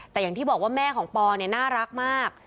แต่อย่างที่บอกว่าแม่ของปอเนี่ยน่ารักมาก